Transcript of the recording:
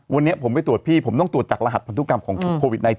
วันนี้ผมไปตรวจพี่ผมต้องตรวจจากรหัสพันธุกรรมของโควิด๑๙